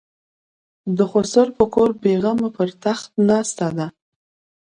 د خسر په کور بېغمه پر تخت ناسته ده.